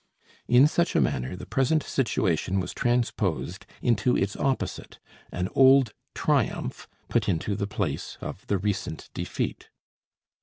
In such a manner the present situation was transposed into its opposite, an old triumph put into the place of the recent defeat.